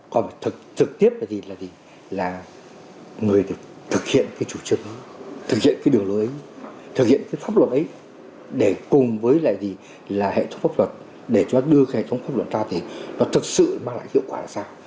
còn thực tiếp là người thực hiện cái chủ chức thực hiện cái đường lối ấy thực hiện cái pháp luật ấy để cùng với hệ thống pháp luật để chúng ta đưa hệ thống pháp luật ra thì nó thực sự mang lại hiệu quả là sao